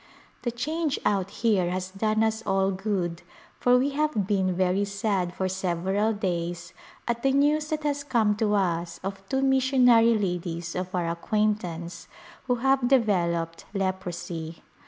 The change out here has done us all good for we have been very sad for several days at the news that has come to us of two mis sionary ladies of our acquaintance who have developed leprosy.